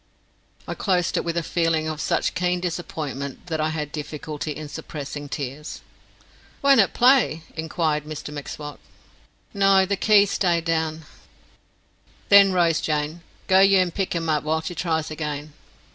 I closed it with a feeling of such keen disappointment that I had difficulty in suppressing tears. "Won't it play?" inquired Mr M'Swat. "No; the keys stay down." "Then, Rose Jane, go ye an' pick 'em up while she tries again."